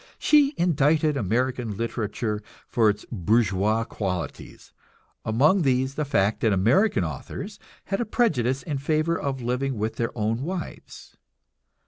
She indicted American literature for its "bourgeois" qualities among these the fact that American authors had a prejudice in favor of living with their own wives.